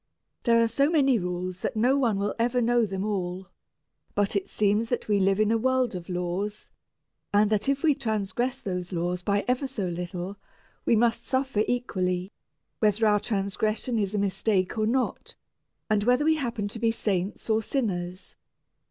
There are so many rules that no one will ever know them all, but it seems that we live in a world of laws, and that if we transgress those laws by ever so little, we must suffer equally, whether our transgression is a mistake or not, and whether we happen to be saints or sinners.